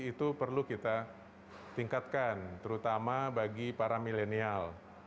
itu perlu kita tingkatkan terutama bagi para milenial